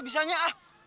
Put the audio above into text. bisa aja ah